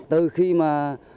từ khi mà